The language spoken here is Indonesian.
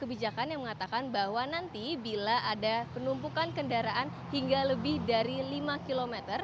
kebijakan yang mengatakan bahwa nanti bila ada penumpukan kendaraan hingga lebih dari lima km